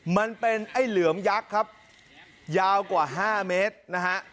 มันเป็นไอ้เหลือมยักษ์ครับยาวกว่า๕เมตรนะฮะ